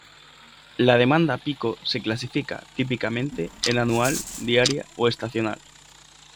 La demanda pico se clasifica típicamente en anual, diaria o estacional.